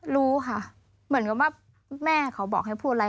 รู้ค่ะเหมือนกับว่าแม่เขาบอกให้พูดอะไร